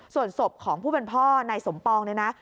ส่วนศพของผู้เป็นพ่อนายสมปองเนี่ยนะ